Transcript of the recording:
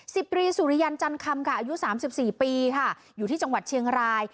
สิปรีสุริยันจันทรรมอายุ๓๔ปีอยู่ที่จังหวัดเชียงราย